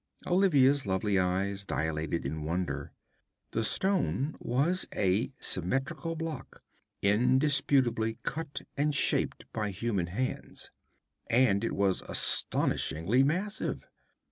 Olivia's lovely eyes dilated in wonder. The stone was a symmetrical block, indisputably cut and shaped by human hands. And it was astonishingly massive.